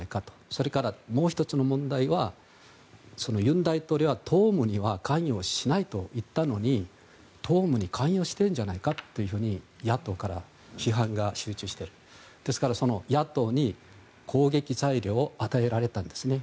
それからもう１つの問題は尹大統領は党務には関与しないと言ったのに党務に関与してるじゃないかと野党から批判が集中してですから、野党に攻撃材料が与えられたんですね